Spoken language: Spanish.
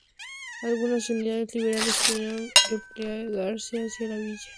Algunas unidades liberales pudieron replegarse hacia la villa.